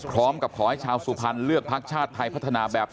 พร้อมกับขอให้ชาวสุพรรณเลือกพักชาติไทยพัฒนาแบบ